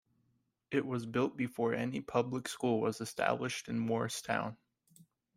It was built before any public school was established in Moorestown.